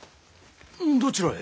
どちらへ？